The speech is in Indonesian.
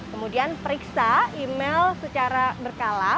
kemudian periksa email secara berkala